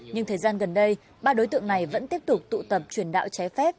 nhưng thời gian gần đây ba đối tượng này vẫn tiếp tục tụ tập truyền đạo trái phép